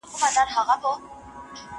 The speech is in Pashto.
ام سلطان د سرطان په اړه پېغامونه خپروي.